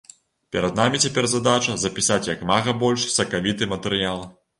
Перад намі цяпер задача, запісаць як мага больш сакавіты матэрыял.